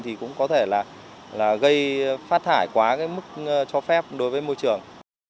thì cũng có thể là gây phát thải quá mức cho phép đối với môi trường